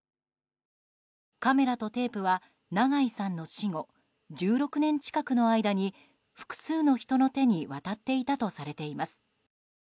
カメラとテープは長井さんの死後１６年近くの間に複数の人の手に渡っていたとされています。